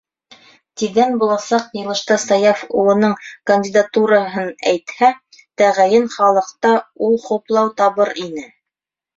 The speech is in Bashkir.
Тиҙҙән буласаҡ йыйылышта Саяф улының кандидатураһын әйтһә, тәғәйен, халыҡта ул хуплау табыр ине.